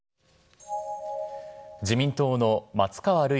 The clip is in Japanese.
自民党の松川るい